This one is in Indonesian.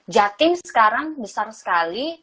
jatim sekarang besar sekali